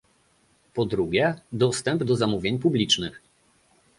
Po drugie, dostęp do zamówień publicznych